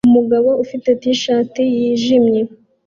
Umugabo ufite t-shati yijimye